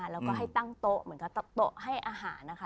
แล้วก็ให้ตั้งโต๊ะเหมือนกับโต๊ะให้อาหารนะคะ